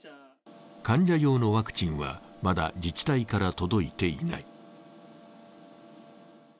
患者用のワクチンは、まだ自治体から届いていない。